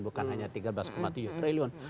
bukan hanya tiga belas tujuh triliun